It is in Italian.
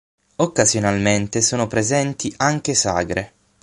Occasionalmente sono presenti anche sagre.